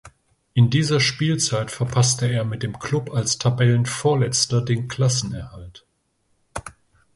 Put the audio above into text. In dieser Spielzeit verpasste er mit dem Klub als Tabellenvorletzter den Klassenerhalt.